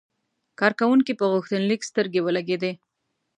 کارکونکي په غوښتنلیک سترګې ولګېدې.